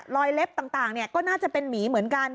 รอยเล็บต่างเนี่ยก็น่าจะเป็นหมีเหมือนกัน